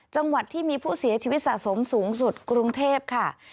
จังหวัดที่มีผู้เสียชีวิตสะสมสูงสุดกรุงเทพค่ะ